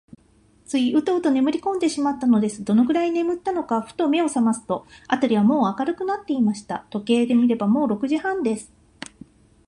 ついウトウトねむりこんでしまったのです。どのくらいねむったのか、ふと目をさますと、あたりはもう明るくなっていました。時計を見れば、もう六時半です。